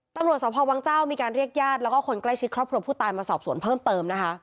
ตำรวจสพวังเจ้ามีการเรียกญาติแล้วก็คนใกล้ชิดครอบครัวผู้ตายมาสอบสวนเพิ่มเติมนะคะ